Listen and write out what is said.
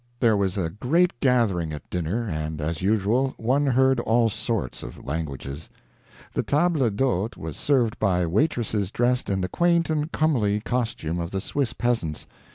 There was a great gathering at dinner, and, as usual, one heard all sorts of languages. The table d'hôte was served by waitresses dressed in the quaint and comely costume of the Swiss peasants.